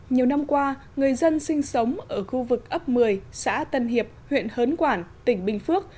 nhiều năm qua người dân sinh sống ở khu vực ấp một mươi xã tân hiệp huyện hớn quản tỉnh bình phước